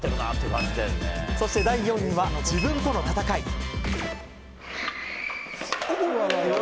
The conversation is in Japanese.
そして第４位は、自分との戦い。